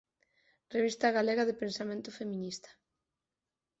Revista Galega de Pensamento Feminista".